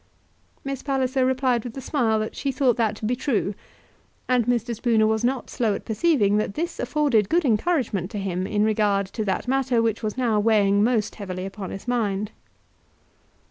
Miss Palliser replied with a smile that she thought that to be true, and Mr. Spooner was not slow at perceiving that this afforded good encouragement to him in regard to that matter which was now weighing most heavily upon his mind.